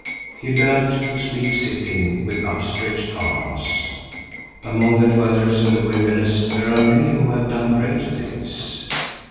He learned to sleep sitting, with upstretched arms. Among the dwellers in the wilderness there are many who have done greater things.